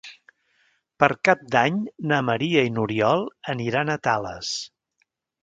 Per Cap d'Any na Maria i n'Oriol aniran a Tales.